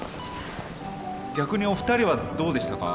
逆にお二人はどうでしたか？